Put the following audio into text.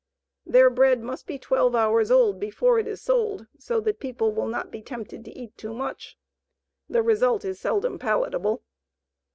Their bread must be twelve hours old before it is sold, so that people will not be tempted to eat too much. The result is seldom palatable.